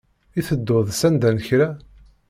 I tedduḍ sanda n kra?